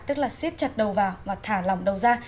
tức là xiết chặt đầu vào và thả lỏng đầu ra